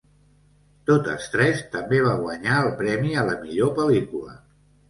Totes tres també va guanyar el premi a la millor pel·lícula.